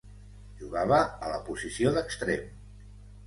Jugava a la posició d'extrem.